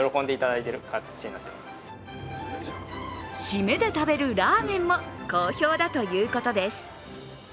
締めで食べるラーメンも好評だということです。